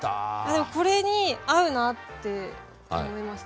でもこれに合うなって思いました。